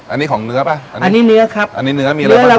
อันนี้ของเนื้อป่ะอันนี้อันนี้เนื้อครับอันนี้เนื้อมีอะไรบ้างล่ะครับ